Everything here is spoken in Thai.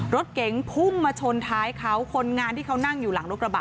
รถเก๋งพุ่งมาชนท้ายเขาคนงานที่เขานั่งอยู่หลังรถกระบะ